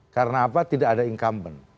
karena apa tidak ada incumbent